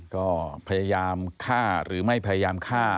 ก็พยายามฆ่าหรือไม่พยายามฆ่า